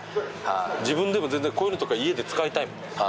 自分でも全然こういうのとか家で使いたいもん。